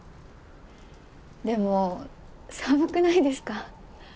でも寒くないですか？